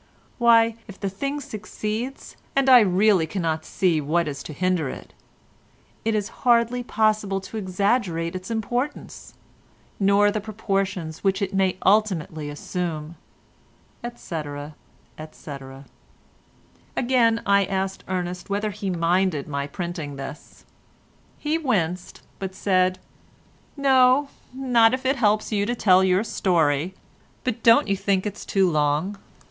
Why, if the thing succeeds, and I really cannot see what is to hinder it, it is hardly possible to exaggerate its importance, nor the proportions which it may ultimately assume," etc., etc. Again I asked Ernest whether he minded my printing this. He winced, but said "No, not if it helps you to tell your story: but don't you think it is too long?"